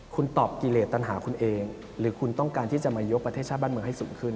คุณตอบกิเลสตัญหาคุณเองหรือคุณต้องการที่จะมายกประเทศชาติบ้านเมืองให้สูงขึ้น